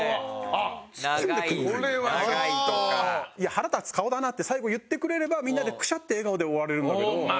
「腹立つ顔だな」って最後言ってくれればみんなでクシャって笑顔で終われるんだけど。